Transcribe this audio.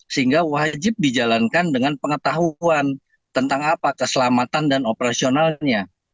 sehingga wajib dijalankan dengan pengetahuan tentang apa keselamatan dan operasionalnya